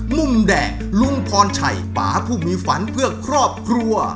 มุมแดงลุงพรชัยป่าผู้มีฝันเพื่อครอบครัว